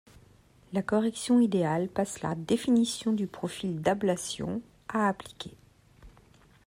La correction idéale passe par la définition du profil d'ablation à appliquer.